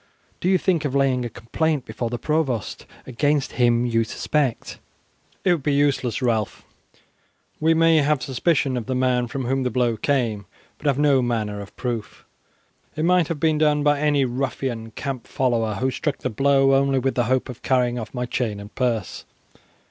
Do you think of laying a complaint before the provost against him you suspect?" "It would be useless, Ralph. We may have suspicion of the man from whom the blow came, but have no manner of proof. It might have been done by any ruffian camp follower who struck the blow only with the hope of carrying off my chain and purse.